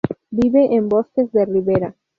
Vive en bosques de ribera.